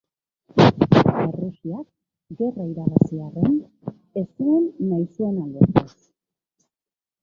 Errusiak, gerra irabazi arren, ez zuen nahi zuena lortu.